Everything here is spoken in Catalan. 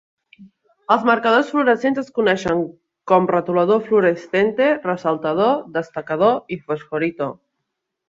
Els marcadors fluorescents es coneixen com "rotulador fluorescente", "resaltador", "destacador", i "fosforito".